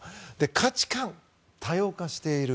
価値観が多様化している。